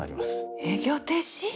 営業停止？